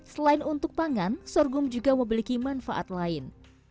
selain untuk pangan sorghum juga memiliki manfaat lain